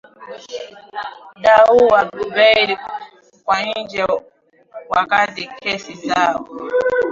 d au bail kwa nje wakati kesi zao